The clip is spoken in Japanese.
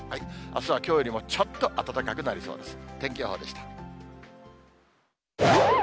あすはきょうよりもちょっと暖かくなりそうです。